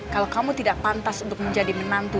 kalau kamu tidak pantas untuk menjadi menantu